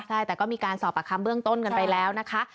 ใช่แต่ก็มีการสอบปากคำเบื้องต้นกันไปแล้วนะคะ